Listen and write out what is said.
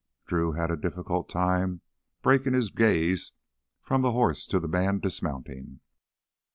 Drew had a difficult time breaking his gaze from the horse to the man dismounting.